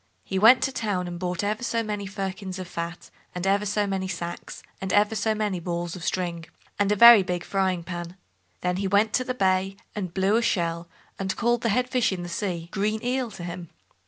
He went to town and bought ever so many firkins of fat, and ever so many sacks, and ever so many balls of string, and a very big frying pan, then he went to the bay and blew a shell, and called the Head fish in the sea, "Green Eel", to him.